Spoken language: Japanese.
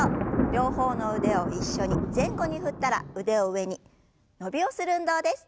両方の腕を一緒に前後に振ったら腕を上に伸びをする運動です。